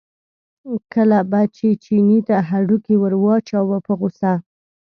کله به یې چیني ته هډوکی ور واچاوه په غوسه.